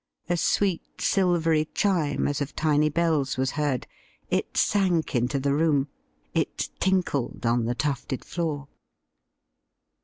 A sweet silvery chime as of tiny bells was heard. It sank into the room ; it tinkled on the tufted floor.